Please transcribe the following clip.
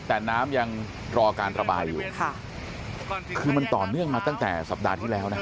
แต่น้ำยังรอการระบายอยู่ค่ะคือมันต่อเนื่องมาตั้งแต่สัปดาห์ที่แล้วนะ